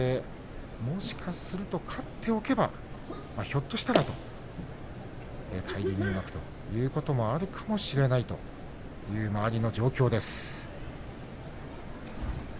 もしかすると、勝っておけばひょっとしたら返り入幕ということもあるかもしれないそんな状況です。